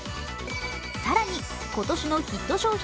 更に今年のヒット商品